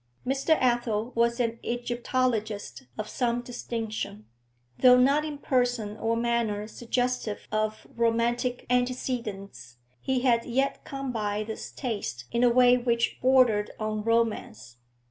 Mr. Athel was an Egyptologist of some distinction. Though not in person or manner suggestive of romantic antecedents, he had yet come by this taste in a way which bordered on romance.